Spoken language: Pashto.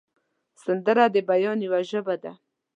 سندره د بیان یوه ژبه ده